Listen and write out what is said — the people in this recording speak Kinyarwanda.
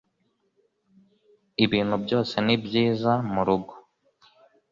ibintu byose ni byiza murugo